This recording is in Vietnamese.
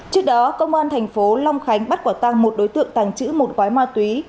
trước đó công an thành phố long khánh bắt quả tăng một đối tượng tàng trữ một gói ma túy